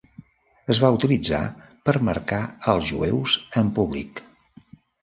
Es va utilitzar per marcar als jueus en públic.